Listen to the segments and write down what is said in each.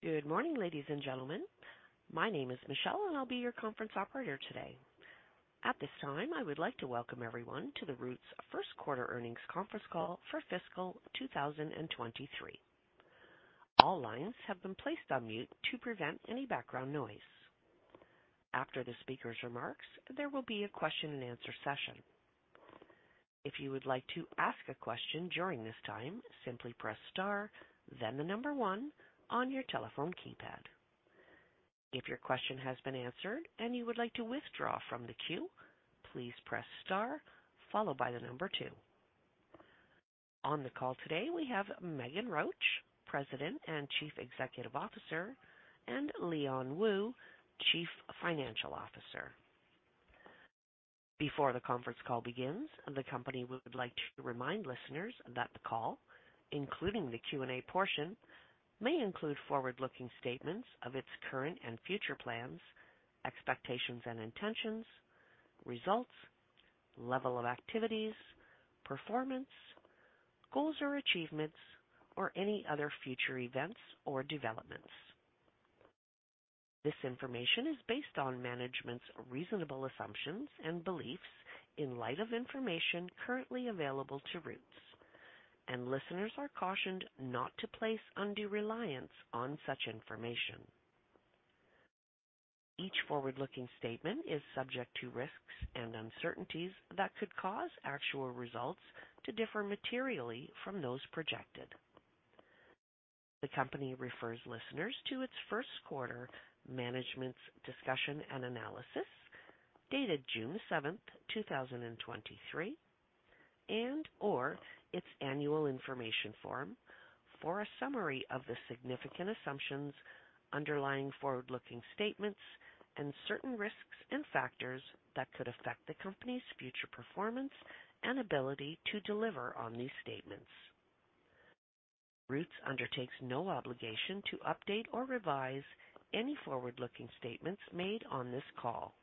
Good morning, ladies and gentlemen. My name is Michelle. I'll be your Conference Operator today. At this time, I would like to welcome everyone to the Roots First Quarter Earnings Conference Call for Fiscal 2023. All lines have been placed on mute to prevent any background noise. After the speaker's remarks, there will be a question-and-answer session. If you would like to ask a question during this time, simply press star, then one on your telephone keypad. If your question has been answered and you would like to withdraw from the queue, please press star followed by two. On the call today, we have Meghan Roach, President and Chief Executive Officer, and Leon Wu, Chief Financial Officer. Before the conference call begins, the company would like to remind listeners that the call, including the Q&A portion, may include forward-looking statements of its current and future plans, expectations and intentions, results, level of activities, performance, goals or achievements, or any other future events or developments. This information is based on management's reasonable assumptions and beliefs in light of information currently available to Roots, and listeners are cautioned not to place undue reliance on such information. Each forward-looking statement is subject to risks and uncertainties that could cause actual results to differ materially from those projected. The company refers listeners to its first quarter management's discussion and analysis dated June 7, 2023, and or its annual information form for a summary of the significant assumptions underlying forward-looking statements and certain risks and factors that could affect the company's future performance and ability to deliver on these statements. Roots undertakes no obligation to update or revise any forward-looking statements made on this call.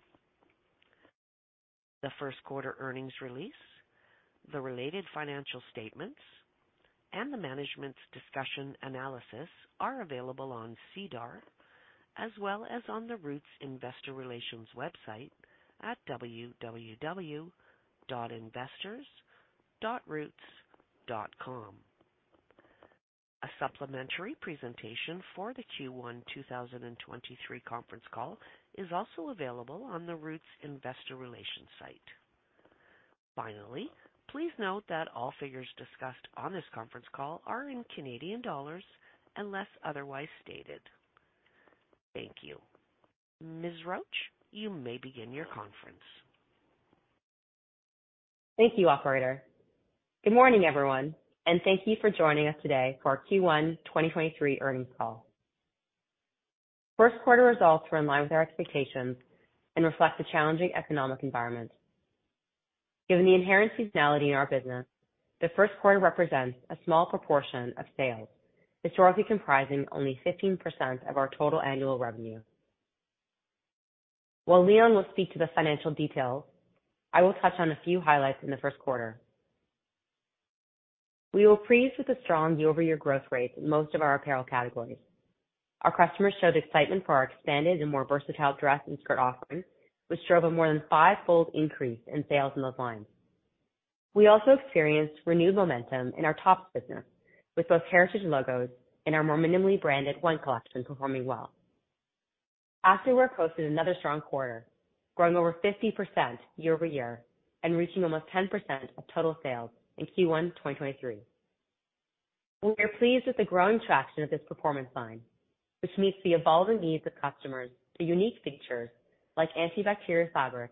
The first quarter earnings release, the related financial statements, and the management's discussion analysis are available on SEDAR as well as on the Roots investor relations website at investors.roots.com. A supplementary presentation for the Q1 2023 conference call is also available on the Roots investor relations site. Finally, please note that all figures discussed on this conference call are in Canadian dollars, unless otherwise stated. Thank you. Ms. Roach, you may begin your conference. Thank you, operator. Good morning, everyone, and thank you for joining us today for our Q1 2023 Earnings Call. First quarter results were in line with our expectations and reflect the challenging economic environment. Given the inherent seasonality in our business, the first quarter represents a small proportion of sales, historically comprising only 15% of our total annual revenue. While Leon will speak to the financial details, I will touch on a few highlights in the first quarter. We were pleased with the strong year-over-year growth rates in most of our apparel categories. Our customers showed excitement for our expanded and more versatile dress and skirt offerings, which drove a more than fivefold increase in sales in those lines. We also experienced renewed momentum in our tops business, with both heritage logos and our more minimally branded wine collection performing well. Activewear posted another strong quarter, growing over 50% year-over-year and reaching almost 10% of total sales in Q1 2023. We are pleased with the growing traction of this performance line, which meets the evolving needs of customers through unique features like antibacterial fabric,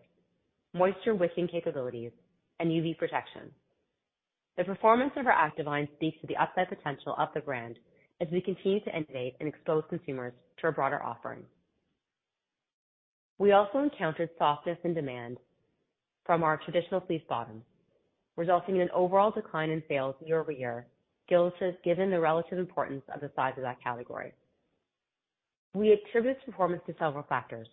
moisture-wicking capabilities, and UV protection. The performance of our active line speaks to the upside potential of the brand as we continue to innovate and expose consumers to a broader offering. We also encountered softness and demand from our traditional fleece bottoms, resulting in an overall decline in sales year-over-year, given the relative importance of the size of that category. We attribute this performance to several factors: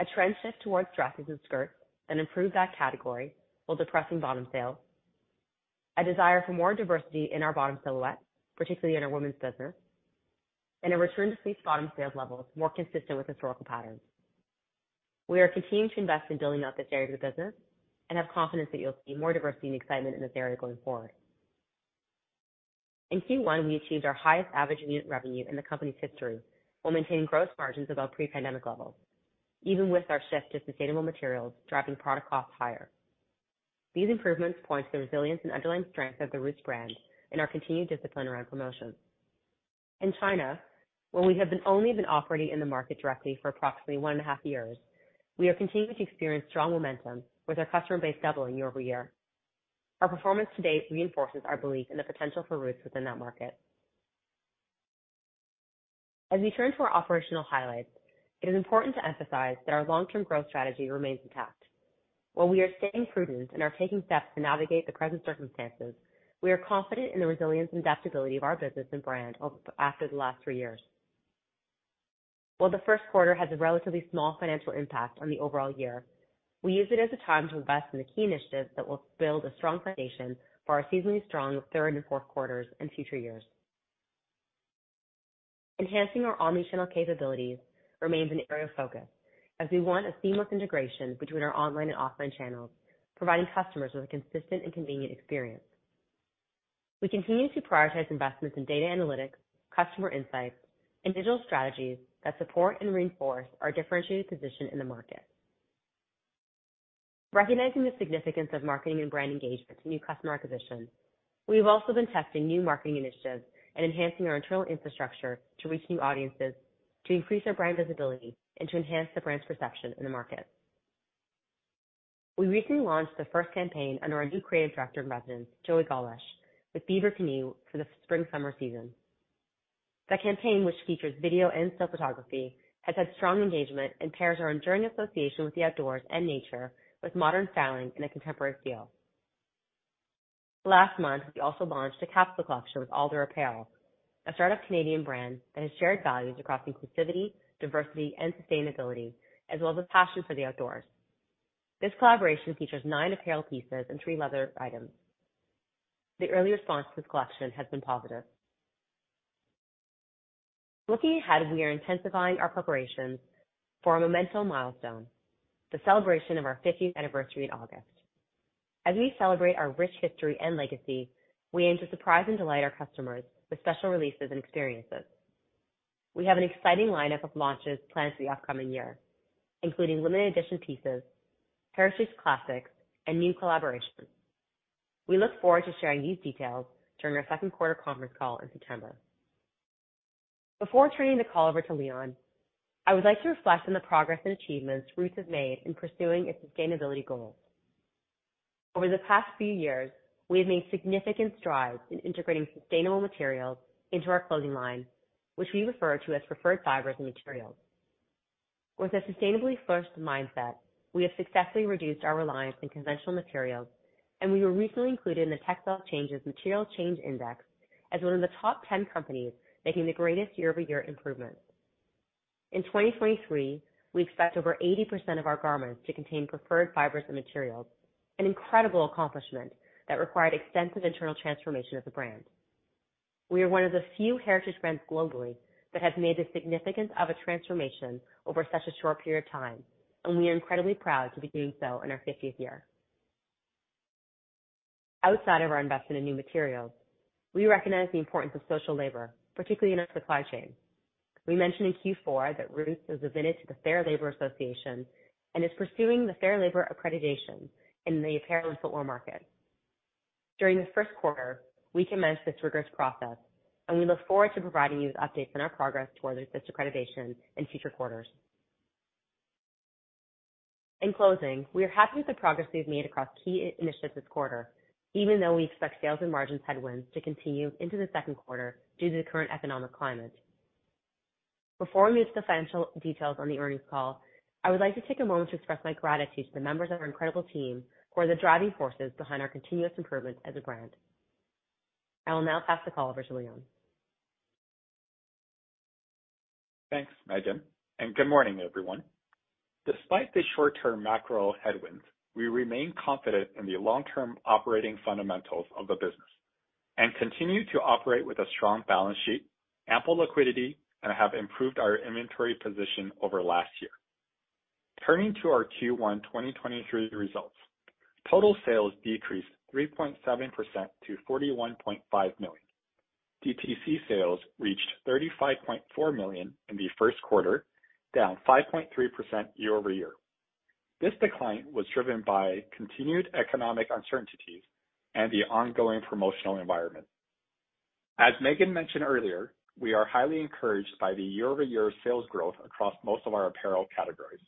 a trend shift towards dresses and skirts that improve that category while depressing bottom sales, a desire for more diversity in our bottom silhouettes, particularly in our women's business, and a return to fleece bottom sales levels more consistent with historical patterns. We are continuing to invest in building out this area of the business and have confidence that you'll see more diversity and excitement in this area going forward. In Q1, we achieved our highest average unit revenue in the company's history while maintaining gross margins above pre-pandemic levels, even with our shift to sustainable materials, driving product costs higher. These improvements point to the resilience and underlying strength of the Roots brand and our continued discipline around promotions. In China, where we have only been operating in the market directly for approximately one and a half years, we are continuing to experience strong momentum with our customer base doubling year-over-year. Our performance to date reinforces our belief in the potential for Roots within that market. As we turn to our operational highlights, it is important to emphasize that our long-term growth strategy remains intact. While we are staying prudent and are taking steps to navigate the present circumstances, we are confident in the resilience and adaptability of our business and brand after the last three years. While the first quarter has a relatively small financial impact on the overall year, we use it as a time to invest in the key initiatives that will build a strong foundation for our seasonally strong third and fourth quarters and future years. Enhancing our omni-channel capabilities remains an area of focus, as we want a seamless integration between our online and offline channels, providing customers with a consistent and convenient experience. We continue to prioritize investments in data analytics, customer insights, and digital strategies that support and reinforce our differentiated position in the market. Recognizing the significance of marketing and brand engagement to new customer acquisition, we've also been testing new marketing initiatives and enhancing our internal infrastructure to reach new audiences, to increase our brand visibility, and to enhance the brand's perception in the market. We recently launched the first campaign under our new Creative Director in residence, Joey Gollish, with Beaver Canoe for the spring/summer season. The campaign, which features video and still photography, has had strong engagement and pairs our enduring association with the outdoors and nature with modern styling and a contemporary feel. Last month, we also launched a capsule collection with Alder Apparel, a startup Canadian brand, that has shared values across inclusivity, diversity, and sustainability, as well as a passion for the outdoors. This collaboration features nine apparel pieces and three leather items. The early response to this collection has been positive. Looking ahead, we are intensifying our preparations for a monumental milestone, the celebration of our 50th anniversary in August. As we celebrate our rich history and legacy, we aim to surprise and delight our customers with special releases and experiences. We have an exciting lineup of launches planned for the upcoming year, including limited edition pieces, Heritage classics, and new collaborations. We look forward to sharing these details during our second-quarter conference call in September. Before turning the call over to Leon, I would like to reflect on the progress and achievements Roots has made in pursuing its sustainability goals. Over the past few years, we have made significant strides in integrating sustainable materials into our clothing line, which we refer to as preferred fibers and materials. With a sustainably first mindset, we have successfully reduced our reliance on conventional materials, and we were recently included in the Textile Exchange's Material Change Index as one of the top 10 companies making the greatest year-over-year improvements. In 2023, we expect over 80% of our garments to contain preferred fibers and materials, an incredible accomplishment that required extensive internal transformation of the brand. We are one of the few heritage brands globally that has made this significance of a transformation over such a short period of time, and we are incredibly proud to be doing so in our 50th year. Outside of our investment in new materials, we recognize the importance of social labor, particularly in our supply chain. We mentioned in Q4 that Roots has admitted to the Fair Labor Association and is pursuing the Fair Labor Accreditation in the apparel and footwear market. During the first quarter, we commenced this rigorous process, and we look forward to providing you with updates on our progress towards this accreditation in future quarters. In closing, we are happy with the progress we've made across key initiatives this quarter, even though we expect sales and margins headwinds to continue into the second quarter due to the current economic climate. Before we move to financial details on the earnings call, I would like to take a moment to express my gratitude to the members of our incredible team who are the driving forces behind our continuous improvement as a brand. I will now pass the call over to Leon. Thanks, Meghan. Good morning, everyone. Despite the short-term macro headwinds, we remain confident in the long-term operating fundamentals of the business and continue to operate with a strong balance sheet, ample liquidity, and have improved our inventory position over last year. Turning to our Q1 2023 results, total sales decreased 3.7% to 41.5 million. DTC sales reached 35.4 million in the first quarter, down 5.3% year-over-year. This decline was driven by continued economic uncertainties and the ongoing promotional environment. As Meghan mentioned earlier, we are highly encouraged by the year-over-year sales growth across most of our apparel categories.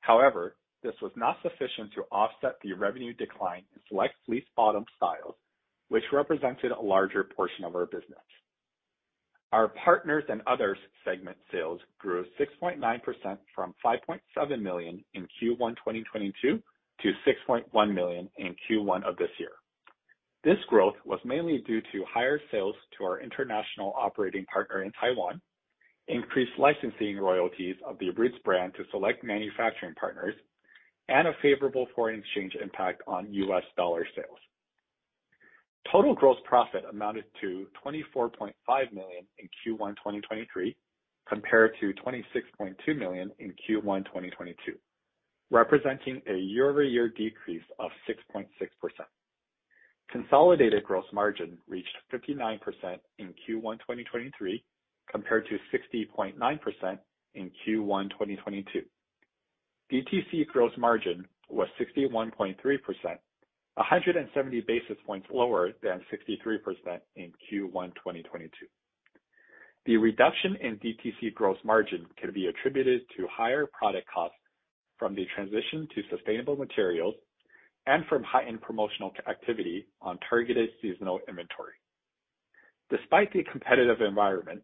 However, this was not sufficient to offset the revenue decline in select fleece bottom styles, which represented a larger portion of our business. Our Partners and Other segment sales grew 6.9% from 5.7 million in Q1 2022 to 6.1 million in Q1 of this year. This growth was mainly due to higher sales to our international operating partner in Taiwan, increased licensing royalties of the Roots brand to select manufacturing partners, and a favorable foreign exchange impact on US dollar sales. Total gross profit amounted to 24.5 million in Q1 2023, compared to 26.2 million in Q1 2022, representing a year-over-year decrease of 6.6%. Consolidated gross margin reached 59% in Q1 2023, compared to 60.9% in Q1 2022. DTC gross margin was 61.3%, 170 basis points lower than 63% in Q1 2022. The reduction in DTC gross margin can be attributed to higher product costs from the transition to sustainable materials and from heightened promotional activity on targeted seasonal inventory. Despite the competitive environment,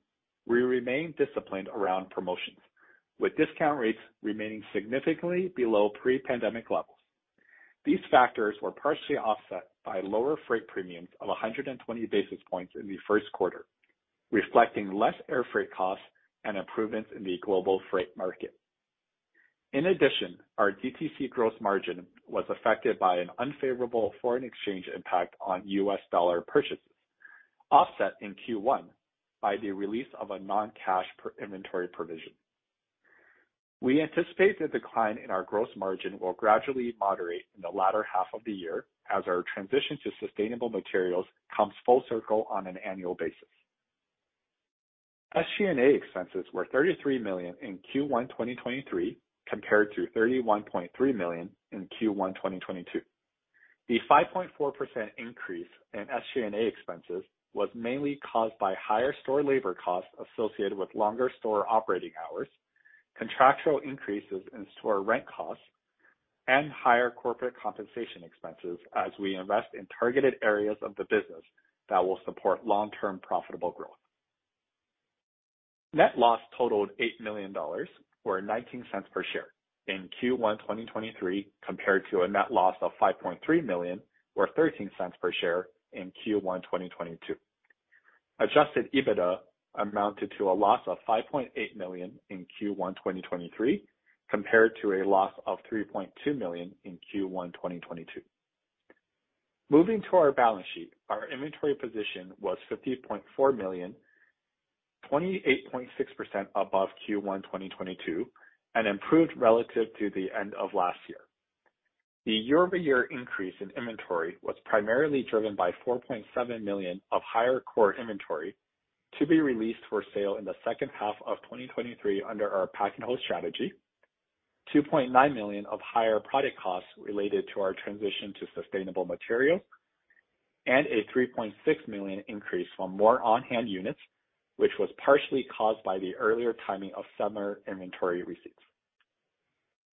we remain disciplined around promotions, with discount rates remaining significantly below pre-pandemic levels. These factors were partially offset by lower freight premiums of 120 basis points in the first quarter, reflecting less air freight costs and improvements in the global freight market. In addition, our DTC gross margin was affected by an unfavorable foreign exchange impact on US dollar purchases, offset in Q1 by the release of a non-cash per inventory provision. We anticipate the decline in our gross margin will gradually moderate in the latter half of the year, as our transition to sustainable materials comes full circle on an annual basis. SG&A expenses were 33 million in Q1 2023, compared to 31.3 million in Q1 2022. The 5.4% increase in SG&A expenses was mainly caused by higher store labor costs associated with longer store operating hours, contractual increases in store rent costs, and higher corporate compensation expenses, as we invest in targeted areas of the business that will support long-term profitable growth. Net loss totaled 8 million dollars, or 0.19 per share in Q1 2023, compared to a net loss of 5.3 million or 0.13 per share in Q1 2022. Adjusted EBITDA amounted to a loss of 5.8 million in Q1 2023, compared to a loss of 3.2 million in Q1 2022. Moving to our balance sheet. Our inventory position was 50.4 million, 28.6% above Q1 2022, and improved relative to the end of last year. The year-over-year increase in inventory was primarily driven by 4.7 million of higher core inventory, to be released for sale in the second half of 2023 under our pack and hold strategy. 2.9 million of higher product costs related to our transition to sustainable material, and a 3.6 million increase from more on-hand units, which was partially caused by the earlier timing of summer inventory receipts.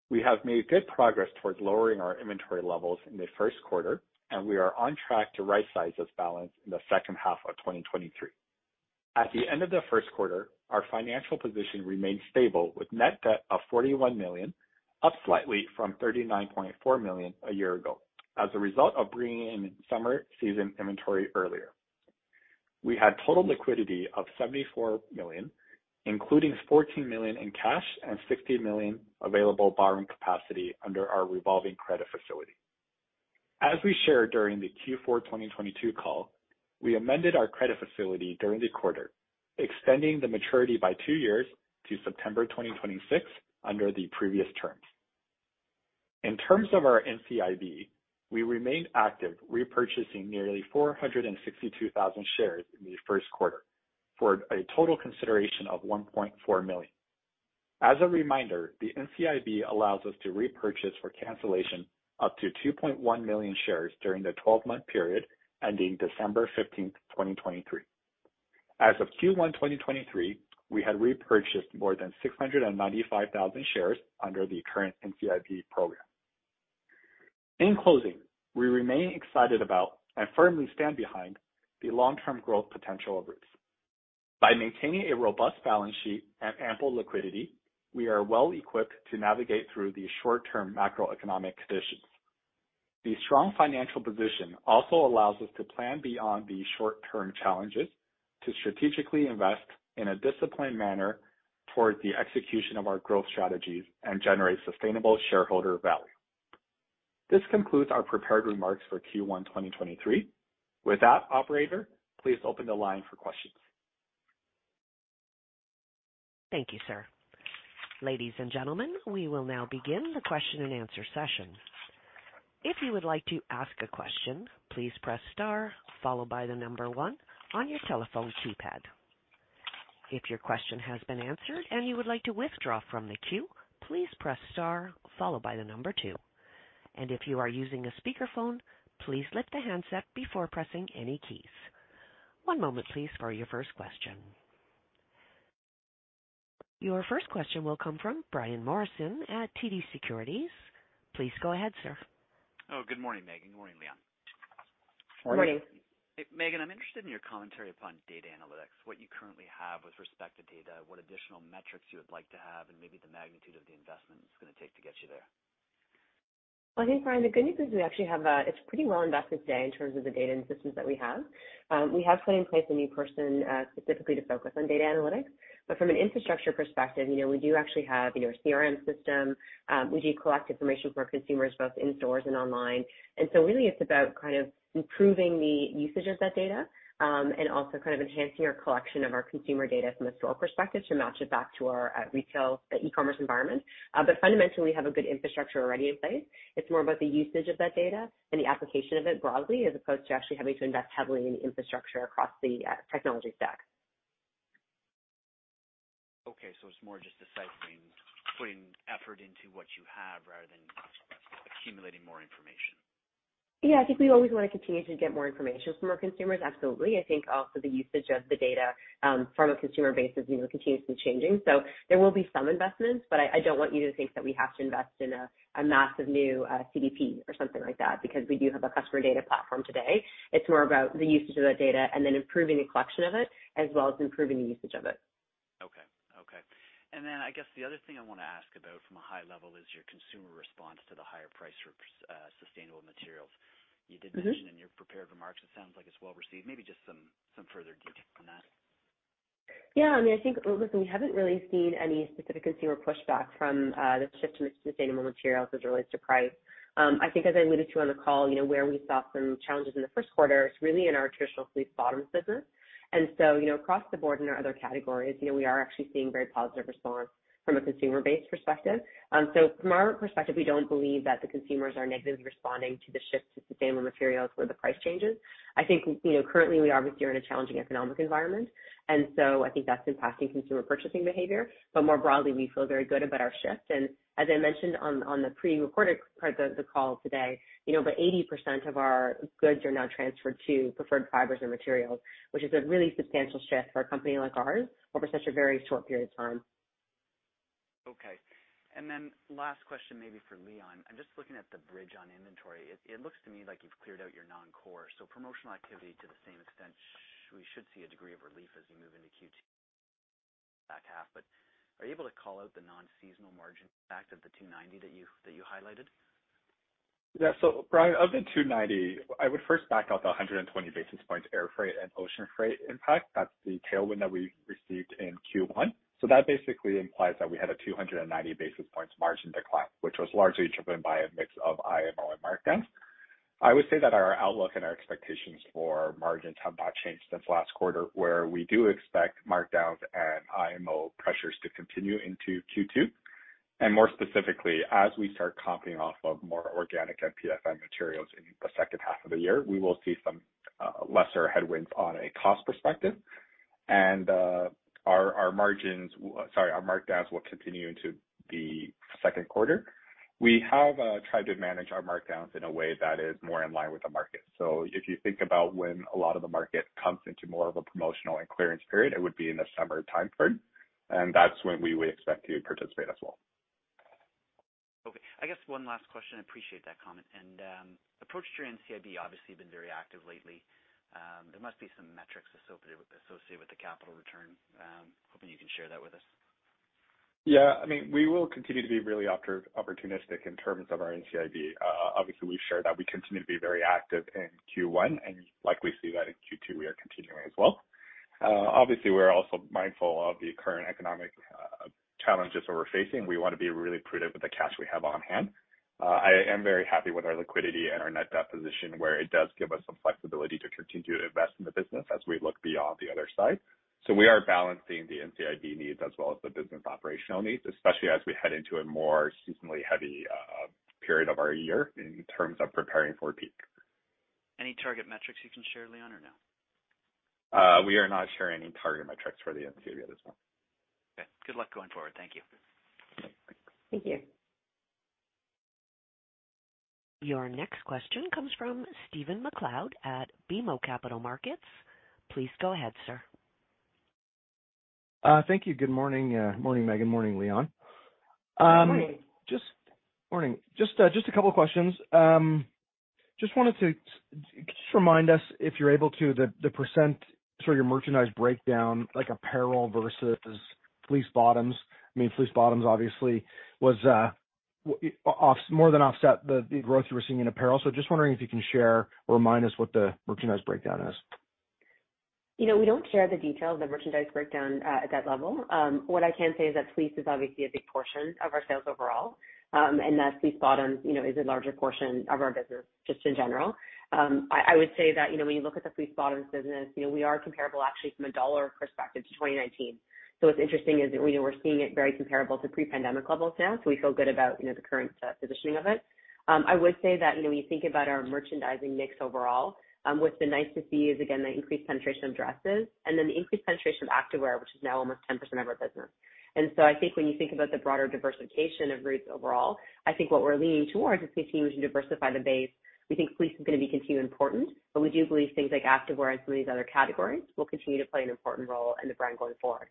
We have made good progress towards lowering our inventory levels in the first quarter, and we are on track to right size this balance in the second half of 2023. At the end of the first quarter, our financial position remained stable, with net debt of 41 million, up slightly from 39.4 million a year ago. As a result of bringing in summer season inventory earlier, we had total liquidity of 74 million, including 14 million in cash and 60 million available borrowing capacity under our revolving credit facility. As we shared during the Q4 2022 call, we amended our credit facility during the quarter, extending the maturity by 2 years to September 2026, under the previous terms. In terms of our NCIB, we remain active, repurchasing nearly 462,000 shares in the first quarter for a total consideration of 1.4 million. As a reminder, the NCIB allows us to repurchase for cancellation up to 2.1 million shares during the 12-month period ending December 15, 2023. As of Q1 2023, we had repurchased more than 695,000 shares under the current NCIB program. In closing, we remain excited about and firmly stand behind the long-term growth potential of Roots. By maintaining a robust balance sheet and ample liquidity, we are well equipped to navigate through the short-term macroeconomic conditions. The strong financial position also allows us to plan beyond the short-term challenges, to strategically invest in a disciplined manner toward the execution of our growth strategies and generate sustainable shareholder value. This concludes our prepared remarks for Q1 2023. With that, operator, please open the line for questions. Thank you, sir. Ladies and gentlemen, we will now begin the question-and-answer session. If you would like to ask a question, please press star followed by the number one on your telephone keypad. If your question has been answered and you would like to withdraw from the queue, please press star followed by the number two. If you are using a speakerphone, please lift the handset before pressing any keys. One moment please, for your first question. Your first question will come from Brian Morrison at TD Cowen. Please go ahead, sir. Oh, good morning, Meghan. Good morning, Leon. Morning. Good morning. Hey, Meghan, I'm interested in your commentary upon data analytics, what you currently have with respect to data, what additional metrics you would like to have, and maybe the magnitude of the investment it's going to take to get you there? Well, I think, Brian, the good news is we actually have it's pretty well invested today in terms of the data and systems that we have. We have put in place a new person specifically to focus on data analytics. From an infrastructure perspective, you know, we do actually have your CRM system. We do collect information from our consumers, both in stores and online. Really it's about kind of improving the usage of that data, and also kind of enhancing our collection of our consumer data from a store perspective to match it back to our retail, the e-commerce environment. Fundamentally, we have a good infrastructure already in place. It's more about the usage of that data and the application of it broadly, as opposed to actually having to invest heavily in the infrastructure across the technology stack. It's more just deciphering, putting effort into what you have rather than accumulating more information. I think we always want to continue to get more information from our consumers, absolutely. I think also the usage of the data from a consumer base is continuously changing, so there will be some investments. I don't want you to think that we have to invest in a massive new CDP or something like that, because we do have a customer data platform today. It's more about the usage of that data and then improving the collection of it, as well as improving the usage of it. I guess the other thing I want to ask about from a high level is your consumer response to the higher price for sustainable materials? You did mention in your prepared remarks, it sounds like it's well received. Maybe just some further detail on that. I mean, I think, listen, we haven't really seen any specific consumer pushback from the shift to sustainable materials as it relates to price. I think as I alluded to on the call, you know, where we saw some challenges in the first quarter, it's really in our traditional fleece bottoms business. You know, across the board in our other categories, you know, we are actually seeing very positive response from a consumer base perspective. From our perspective, we don't believe that the consumers are negatively responding to the shift to sustainable materials or the price changes. I think, you know, currently we are obviously in a challenging economic environment, I think that's impacting consumer purchasing behavior. More broadly, we feel very good about our shift. As I mentioned on the prerecorded part of the call today, you know, about 80% of our goods are now transferred to preferred fibers and materials, which is a really substantial shift for a company like ours over such a very short period of time. Last question, maybe for Leon. I'm just looking at the bridge on inventory. It looks to me like you've cleared out your non-core, so promotional activity to the same extent, we should see a degree of relief as you move into Q2, back half. Are you able to call out the non-seasonal margin impact of the 290 that you highlighted? Brian, of the 290, I would first back out the 120 basis points, air freight and ocean freight impact. That's the tailwind that we received in Q1. That basically implies that we had a 290 basis points margin decline, which was largely driven by a mix of IMU and markdowns. I would say that our outlook and our expectations for margins have not changed since last quarter, where we do expect markdowns and IMU pressures to continue into Q2. More specifically, as we start comping off of more organic and PFM materials in the second half of the year, we will see some lesser headwinds on a cost perspective. Our markdowns will continue into the second quarter. We have tried to manage our markdowns in a way that is more in line with the market. If you think about when a lot of the market comes into more of a promotional and clearance period, it would be in the summer timeframe, and that's when we would expect to participate as well. Okay, I guess one last question. I appreciate that comment. Approach to NCIB, obviously, have been very active lately. There must be some metrics associated with the capital return. Hoping you can share that with us. We will continue to be really opportunistic in terms of our NCIB. Obviously, we've shared that we continue to be very active in Q1, and you likely see that in Q2, we are continuing as well. Obviously, we're also mindful of the current economic challenges that we're facing. We want to be really prudent with the cash we have on hand. I am very happy with our liquidity and our net debt position, where it does give us some flexibility to continue to invest in the business as we look beyond the other side. We are balancing the NCIB needs as well as the business operational needs, especially as we head into a more seasonally heavy period of our year in terms of preparing for peak. Any target metrics you can share, Leon, or no? We are not sharing any target metrics for the NCIB at this point. Okay. Good luck going forward. Thank you. Thank you. Your next question comes from Stephen MacLeod at BMO Capital Markets. Please go ahead, sir. Thank you. Good morning. Morning, Meghan. Morning, Leon. Morning! Morning. Just a couple of questions. Just wanted to remind us, if you're able to, the % sort of your merchandise breakdown, like apparel versus fleece bottoms. I mean, fleece bottoms obviously was off, more than offset the growth you were seeing in apparel. Just wondering if you can share or remind us what the merchandise breakdown is? You know, we don't share the details of the merchandise breakdown at that level. What I can say is that fleece is obviously a big portion of our sales overall, and that fleece bottoms, you know, is a larger portion of our business just in general. I would say that, you know, when you look at the fleece bottoms business, you know, we are comparable actually from a dollar perspective to 2019. What's interesting is that, you know, we're seeing it very comparable to pre-pandemic levels now, so we feel good about, you know, the current positioning of it. I would say that, you know, when you think about our merchandising mix overall, what's been nice to see is, again, the increased penetration of dresses and then the increased penetration of activewear, which is now almost 10% of our business. I think when you think about the broader diversification of Roots overall, I think what we're leaning towards is continuing to diversify the base. We think fleece is going to be continually important, but we do believe things like activewear and some of these other categories will continue to play an important role in the brand going forward.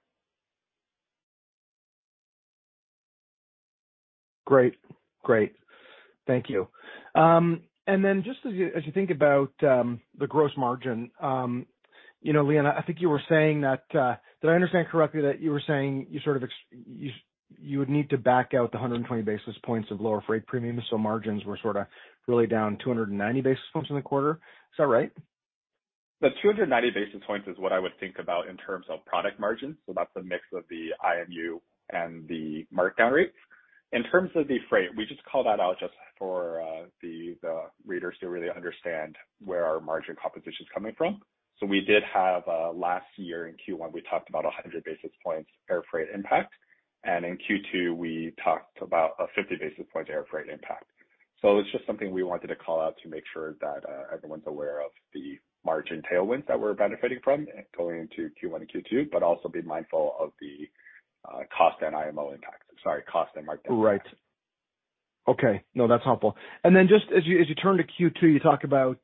Great. Thank you. Just as you, as you think about the gross margin Leon, I think you were saying that, did I understand correctly that you were saying you sort of would need to back out the 120 basis points of lower freight premiums, so margins were sort of really down 290 basis points in the quarter? Is that right? The 290 basis points is what I would think about in terms of product margins. That's a mix of the IMU and the markdown rates. In terms of the freight, we just call that out just for the readers to really understand where our margin composition is coming from. We did have last year in Q1, we talked about 100 basis points air freight impact, and in Q2, we talked about a 50 basis point air freight impact. It's just something we wanted to call out to make sure that everyone's aware of the margin tailwinds that we're benefiting from going into Q1 and Q2, but also be mindful of the cost and IMU impact. Sorry, cost and markdown. No, that's helpful. Just as you turn to Q2, you talk about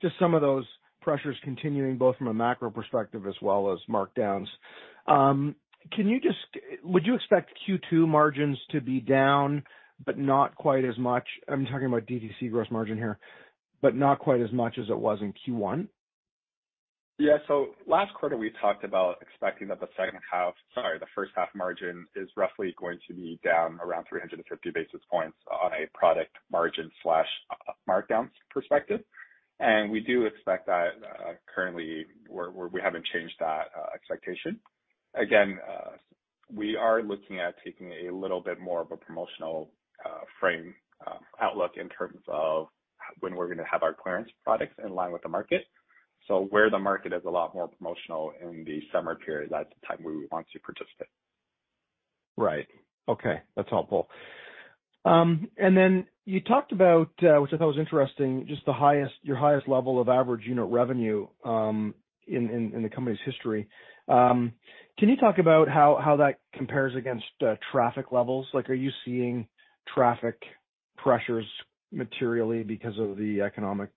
just some of those pressures continuing, both from a macro perspective as well as markdowns. Would you expect Q2 margins to be down, but not quite as much, I'm talking about DTC gross margin here, but not quite as much as it was in Q1? Last quarter, we talked about expecting that the second half, sorry, the first half margin is roughly going to be down around 350 basis points on a product margin/markdowns perspective. We do expect that, currently, we haven't changed that expectation. Again, we are looking at taking a little bit more of a promotional frame outlook in terms of when we're going to have our clearance products in line with the market. Where the market is a lot more promotional in the summer period, that's the time we want to participate. Okay, that's helpful. Then you talked about, which I thought was interesting, just your highest level of average unit revenue in the company's history. Can you talk about how that compares against traffic levels? Are you seeing traffic pressures materially because of the economic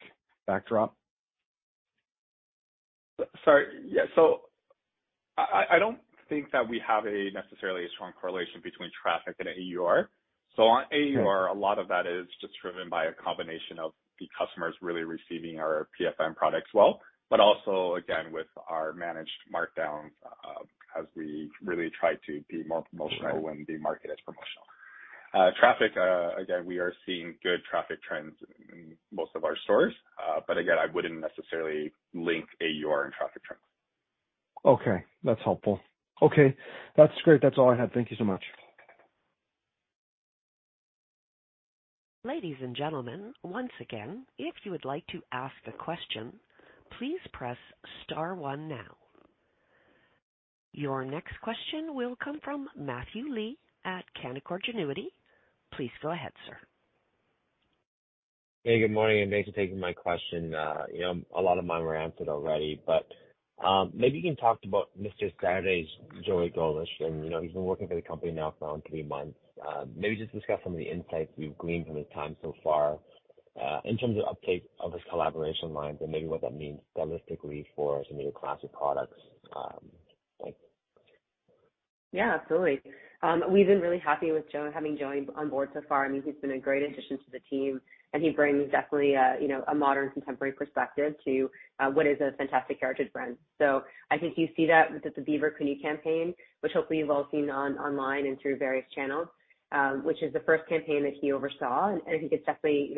backdrop? Sorry. I don't think that we have a necessarily a strong correlation between traffic and AUR. On AUR, a lot of that is just driven by a combination of the customers really receiving our PFM products well, but also, again, with our managed markdowns, as we really try to be more promotional when the market is promotional. Traffic, again, we are seeing good traffic trends in most of our stores. Again, I wouldn't necessarily link AUR and traffic trends. Okay, that's helpful. Okay, that's great. That's all I have. Thank you so much. Ladies and gentlemen, once again, if you would like to ask a question, please press star one now. Your next question will come from Matthew Lee at Canaccord Genuity. Please go ahead, sir. Good morning, thanks for taking my question. A lot of mine were answered already, maybe you can talk about Creative Director, Joey Gollish. He's been working for the company now for around three months. Maybe just discuss some of the insights we've gleaned from his time so far, in terms of updates of his collaboration line and maybe what that means ballistically for some of your classic products. Thanks. Absolutely. We've been really happy with Joey, having Joey on board so far. He's been a great addition to the team, and he brings definitely a modern, contemporary perspective to what is a fantastic heritage brand. I think you see that with the Beaver Canoe campaign, which hopefully you've all seen online and through various channels, which is the first campaign that he oversaw. I think it's definitely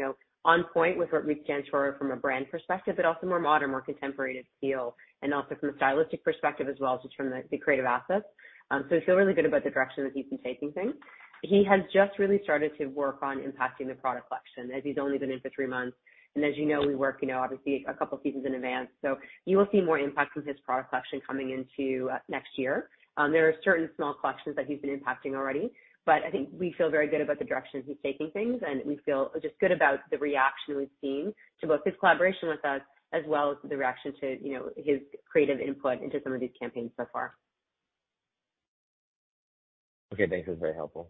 on point with what Roots stands for from a brand perspective, but also more modern, more contemporary feel, and also from a stylistic perspective as well, just from the creative assets. I feel really good about the direction that he's been taking things. He has just really started to work on impacting the product collection, as he's only been in for three months. As you know, we work, obviously a couple of seasons in advance, so you will see more impact with his product collection coming into next year. There are certain small collections that he's been impacting already, but we feel very good about the direction he's taking things, and we feel just good about the reaction we've seen to both his collaboration with us as well as the reaction to, you know, his creative input into some of these campaigns so far. Okay, thanks. This is very helpful.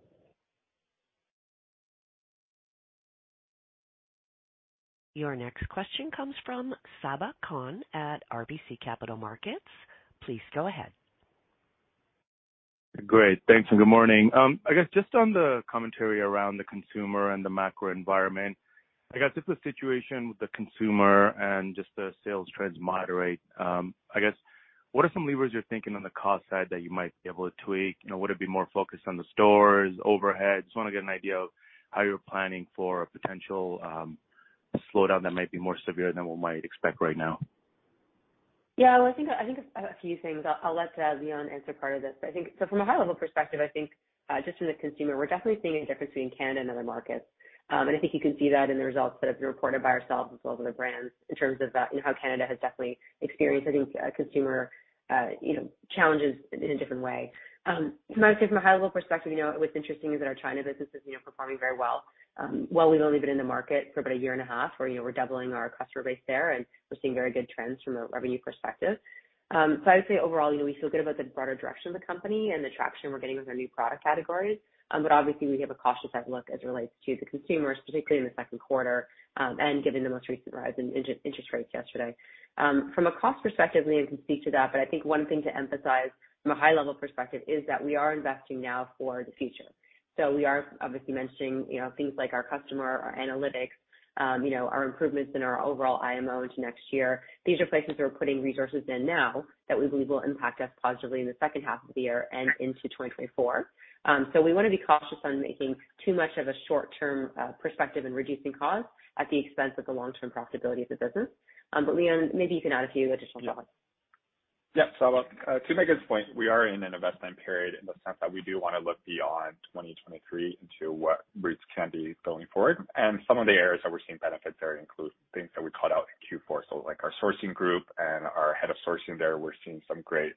Your next question comes from Sabahat Khan at RBC Capital Markets. Please go ahead. Great, thanks, and good morning. Just on the commentary around the consumer and the macro environment, I guess if the situation with the consumer and just the sales trends moderate, what are some levers you're thinking on the cost side that you might be able to tweak? Would it be more focused on the stores, overheads? Just want to get an idea of how you're planning for a potential slowdown that might be more severe than what we might expect right now. Well, I think a few things. I'll let Leon answer part of this. I think so from a high-level perspective, I think, just from the consumer, we're definitely seeing a difference between Canada and other markets. You can see that in the results that have been reported by ourselves as well as other brands in terms of, you know, how Canada has definitely experienced a consumer, challenges in a different way. I would say from a high level perspective, you know, what's interesting is that our China business is, performing very well. While we've only been in the market for about a year and a half, where, you know, we're doubling our customer base there, and we're seeing very good trends from a revenue perspective. I would say overall, we feel good about the broader direction of the company and the traction we're getting with our new product categories. Obviously, we have a cautious outlook as it relates to the consumers, particularly in the second quarter, and given the most recent rise in interest rates yesterday. From a cost perspective, Leon can speak to that, but I think one thing to emphasize from a high level perspective is that we are investing now for the future. We are obviously mentioning, you know, things like our customer, our analytics, you know, our improvements in our overall IMU into next year. These are places we're putting resources in now that we believe will impact us positively in the second half of the year and into 2024. We want to be cautious on making too much of a short-term perspective and reducing costs at the expense of the long-term profitability of the business. Leon, maybe you can add a few additional thoughts. Yeah, Saba, to make this point, we are in an investment period in the sense that we do want to look beyond 2023 into what Roots can be going forward. Some of the areas that we're seeing benefits there include things that we called out in Q4. Like our sourcing group and our head of sourcing there, we're seeing some great,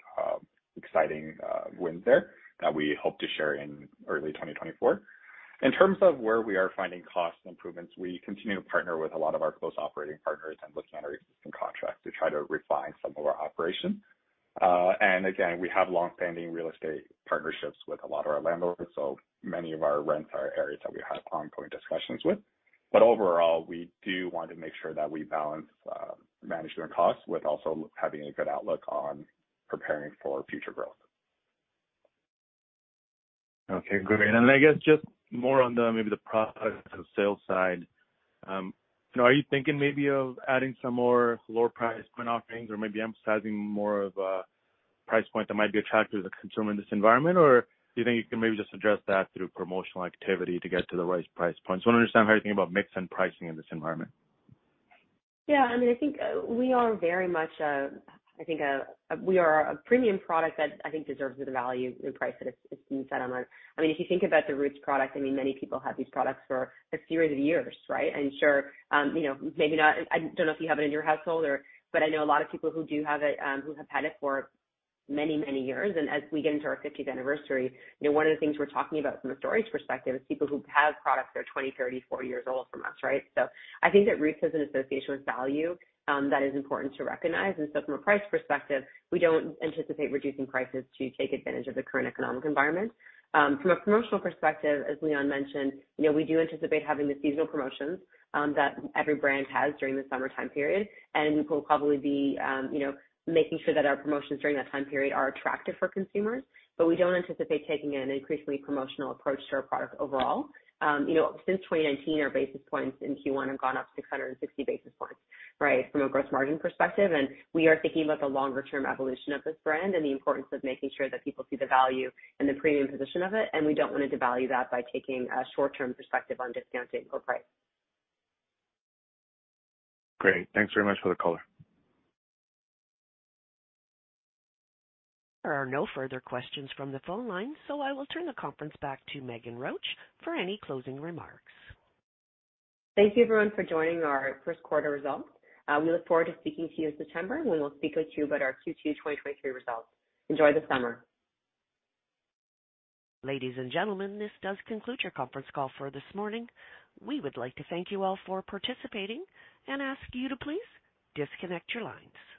exciting, wins there that we hope to share in early 2024. In terms of where we are finding cost improvements, we continue to partner with a lot of our close operating partners and looking at our existing contracts to try to refine some of our operations. Again, we have long-standing real estate partnerships with a lot of our landlords, so many of our rents are areas that we have ongoing discussions with. Overall, we do want to make sure that we balance management costs with also having a good outlook on preparing for future growth. Okay, great. Then I guess just more on the, maybe the product and sales side. Are you thinking maybe of adding some more lower price point offerings or maybe emphasizing more of a price point that might be attractive to the consumer in this environment? Do you think you can maybe just address that through promotional activity to get to the right price points? I want to understand how you're thinking about mix and pricing in this environment. Yeah, I mean, I think, we are very much, I think, we are a premium product that I think deserves the value and price that it's been set on. I mean, if you think about the Roots product, I mean, many people have these products for a series of years, right? Sure, you know, I don't know if you have it in your household or, but I know a lot of people who do have it, who have had it for many, many years. As we get into our 50th anniversary, you know, one of the things we're talking about from a stories perspective is people who have products that are 20, 30, 40 years old from us, right? I think that Roots has an association with value, that is important to recognize. From a price perspective, we don't anticipate reducing prices to take advantage of the current economic environment. From a promotional perspective, as Leon mentioned, you know, we do anticipate having the seasonal promotions that every brand has during the summertime period, and we'll probably be, you know, making sure that our promotions during that time period are attractive for consumers. We don't anticipate taking an increasingly promotional approach to our product overall. You know, since 2019, our basis points in Q1 have gone up 660 basis points, right, from a gross margin perspective. We are thinking about the longer term evolution of this brand and the importance of making sure that people see the value and the premium position of it. We don't want to devalue that by taking a short term perspective on discounting or price. Great. Thanks very much for the call. There are no further questions from the phone line, so I will turn the conference back to Meghan Roach for any closing remarks. Thank you, everyone, for joining our first quarter results. We look forward to speaking to you in September, when we'll speak with you about our Q2 2023 results. Enjoy the summer. Ladies and gentlemen, this does conclude your conference call for this morning. We would like to thank you all for participating and ask you to please disconnect your lines.